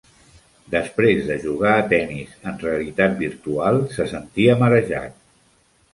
Després de jugar a tennis en realitat virtual, se sentia marejat.